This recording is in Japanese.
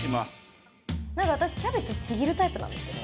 なんか私キャベツちぎるタイプなんですよね。